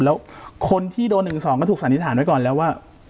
แล้วคนที่โดน๑๒ก็ถูกสันนิษฐานไว้ก่อนแล้วว่า